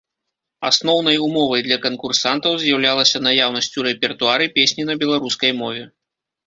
Асноўнай умовай для канкурсантаў з'яўлялася наяўнасць у рэпертуары песні на беларускай мове.